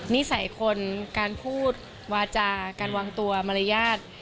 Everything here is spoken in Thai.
นิสัยคนการพูดวาจาการวางตัวมารยาท